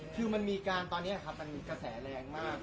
คือมันมีการตอนนี้ครับมันมีกระแสแรงมาก